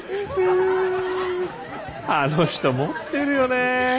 あの人持ってるよね。